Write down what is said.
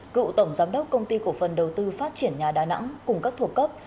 cựu tổng giám đốc công ty cổ phần đầu tư phát triển nhà đà nẵng cùng các thuộc cấp